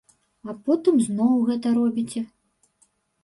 А потым зноў гэта робіце.